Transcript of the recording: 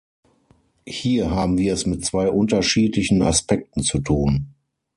Hier haben wir es mit zwei unterschiedlichen Aspekten zu tun.